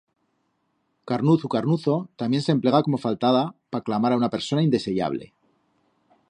Carnuz u carnuzo tamién s'emplega como faltada pa clamar a una persona indeseyable.